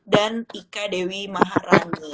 dan ika dewi maharani